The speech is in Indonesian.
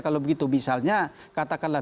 kalau begitu misalnya katakanlah